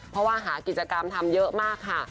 เพราะว่าหากิจกรรมทำเยอะมากค่ะ